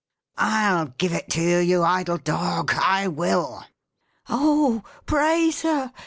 " I'll give it to you, you idle dog : I will !"" Oh, pray. Sir!